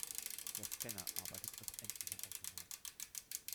Der Scanner arbeitet als endlicher Automat.